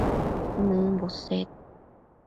nëmbo sed